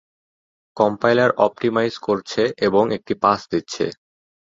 Compiler optimise করছে এবং একটি পাস দিচ্ছে।